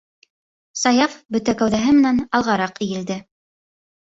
- Саяф бөтә кәүҙәһе менән алғараҡ эйелде.